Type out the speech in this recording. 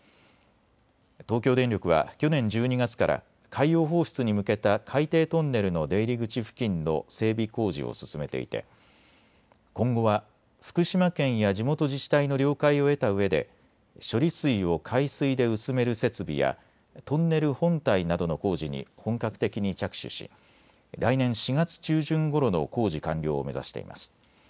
東京電力は去年１２月から海洋放出に向けた海底トンネルの出入り口付近の整備工事を進めていて今後は福島県や地元自治体の了解を得たうえで処理水を海水で薄める設備やトンネル本体などの工事に本格的に着手し来年４月中旬ごろの工事完了を目指しています。